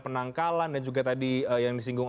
penangkalan dan juga tadi yang disinggung